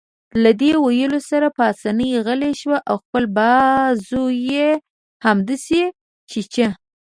له دې ویلو سره پاسیني غلی شو او خپل بازو يې همداسې چیچه.